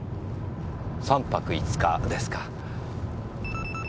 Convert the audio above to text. ３泊５日ですか。